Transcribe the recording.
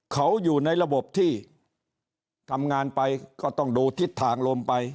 เขาอยู่ในระบบที่ทำงานไปก็ต้องดูทิศทางลมไป